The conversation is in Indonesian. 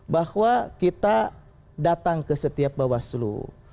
bahwa kita datang ke setiap bawah selu